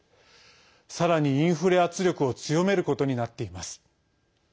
さらに、インフレ圧力を強めることになっています。